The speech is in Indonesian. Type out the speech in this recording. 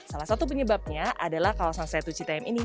salah satu penyebabnya adalah kawasan setu citm ini